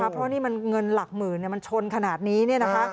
เพราะนี่เงินหลักหมื่นมันชนขนาดนี้